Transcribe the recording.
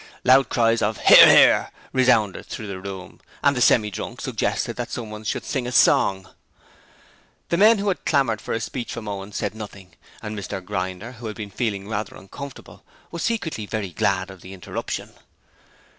Loud cries of 'Hear, hear!' resounded through the room, and the Semi drunk suggested that someone should sing a song. The men who had clamoured for a speech from Owen said nothing, and Mr Grinder, who had been feeling rather uncomfortable, was secretly very glad of the interruption.